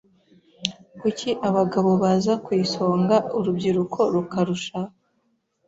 Kuki abagabo baza ku isonga, urubyiruko rukarusha?